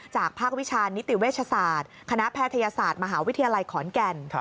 ภาควิชานิติเวชศาสตร์คณะแพทยศาสตร์มหาวิทยาลัยขอนแก่น